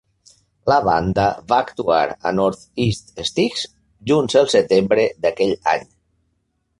La banda va actuar a North East Sticks junts el setembre d'aquell any.